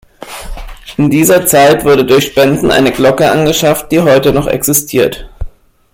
In dieser Zeit wurde durch Spenden eine Glocke angeschafft, die heute noch existiert.